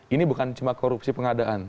ini bukan cuma korupsi pengadaan